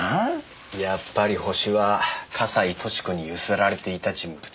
やっぱりホシは笠井俊子に強請られていた人物。